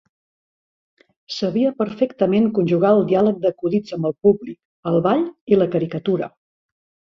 Sabia perfectament conjugar el diàleg d'acudits amb el públic, el ball i la caricatura.